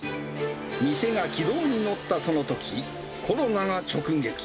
店が軌道に乗ったそのとき、コロナが直撃。